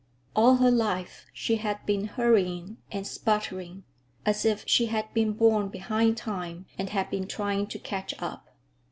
All her life she had been hurrying and sputtering, as if she had been born behind time and had been trying to catch up.